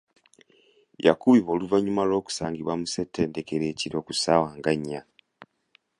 Yakubibwa oluvannyuma lw'okusangibwa mu ssenttedekero ekiro ku saawa nga nnya.